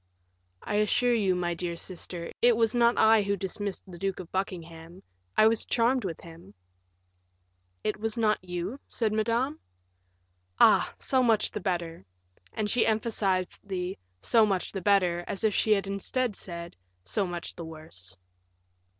"I assure you, my dear sister, it was not I who dismissed the Duke of Buckingham; I was charmed with him." "It was not you?" said Madame; "ah! so much the better;" and she emphasized the "so much the better," as if she had instead said, "so much the worse."